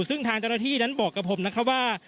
ซึ่งทางเจ้าหน้าที่นั้นบอกกับผมนะครับว่า